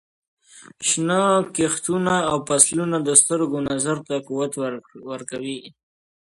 شنه کښتونه او فصلونه د سترګو نظر ته قوت ورکوي.